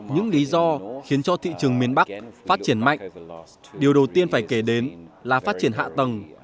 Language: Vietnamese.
những lý do khiến cho thị trường miền bắc phát triển mạnh điều đầu tiên phải kể đến là phát triển hạ tầng